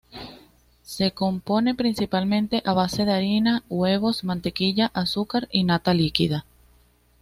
Se compone principalmente a base de harina, huevos, mantequilla, azúcar y nata líquida.